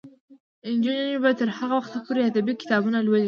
نجونې به تر هغه وخته پورې ادبي کتابونه لولي.